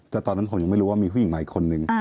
แต่ตอนนั้นผมยังไม่รู้ว่ามีผู้หญิงมาอีกคนนึง